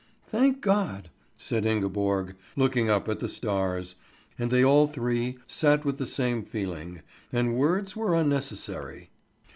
"Thank God!" said Ingeborg, looking up at the stars; and they all three sat with the same feeling, and words were unnecessary.